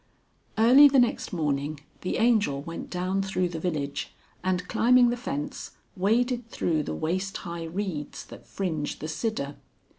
XLI. Early the next morning the Angel went down through the village, and climbing the fence, waded through the waist high reeds that fringe the Sidder.